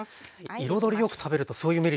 彩りよく食べるとそういうメリットもあるんですね。